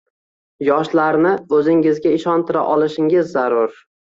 Yoshlarni o‘zingizga ishontira olishingiz zarur.